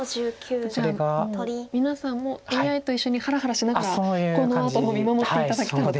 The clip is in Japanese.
じゃあもう皆さんもＡＩと一緒にハラハラしながらこのあとを見守って頂けたらと。